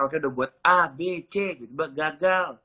oke udah buat a b c gitu bakal gagal